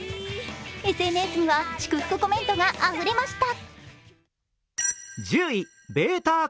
ＳＮＳには祝福コメントがあふれました。